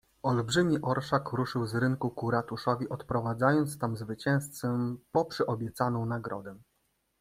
"Olbrzymi orszak ruszył z rynku ku ratuszowi, odprowadzając tam zwycięzcę po przyobiecaną nagrodę."